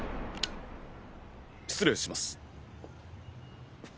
失礼します。